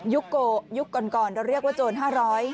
ยุคก่อนเราเรียกว่าโจร๕๐๐